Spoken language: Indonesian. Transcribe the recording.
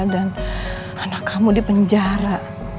dan anak kamu di penjara